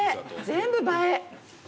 全部映え。